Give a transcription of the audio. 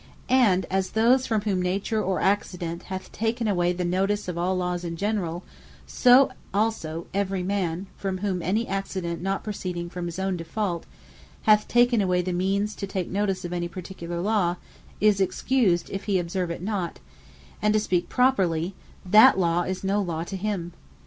And as those from whom Nature, or Accident hath taken away the notice of all Lawes in generall; so also every man, from whom any accident, not proceeding from his own default, hath taken away the means to take notice of any particular Law, is excused, if he observe it not; And to speak properly, that Law is no Law to him.